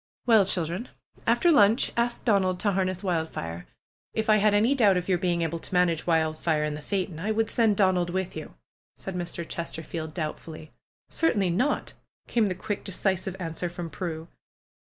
^'Well, children, after lunch ask Donald to harness PRUE'S GARDENER 189 Wildfire. If I had any doubt of your being able to manage Wildfire in the phaeton, I would send Donald with you," said Mr. Chesterfield doubtfully. Certainly not!" came the quick, decisive answer from Prue.